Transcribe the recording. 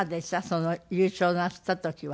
その優勝なすった時は。